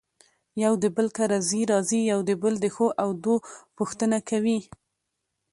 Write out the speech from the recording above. يو له بل کره ځي راځي يو د بل دښو او دو پوښنته کوي.